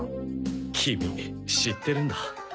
キミ知ってるんだ。